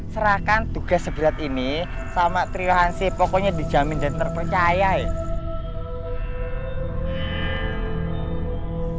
serahkan tugas seberat ini sama trilahansi pokoknya dijamin dan terpercaya ya